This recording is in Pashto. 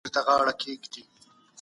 خپلي چاري به د یو ښه پلان له مخي کوئ.